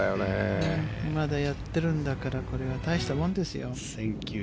まだやってるんだから大したもんですよ。